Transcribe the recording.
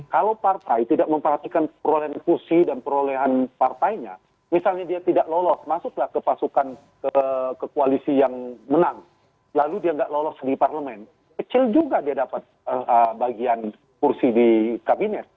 kalau partai tidak memperhatikan perolehan kursi dan perolehan partainya misalnya dia tidak lolos masuklah ke pasukan ke koalisi yang menang lalu dia tidak lolos di parlemen kecil juga dia dapat bagian kursi di kabinet